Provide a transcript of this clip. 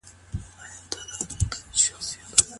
هغه بايد ډاډه سي چي له ښه انسان سره يې نکاح سوې ده.